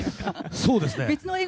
そうですね。